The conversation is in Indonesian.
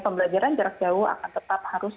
pembelajaran jarak jauh akan tetap harus